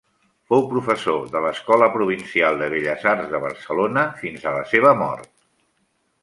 Fou professor de l'Escola Provincial de Belles Arts de Barcelona fins a la seva mort.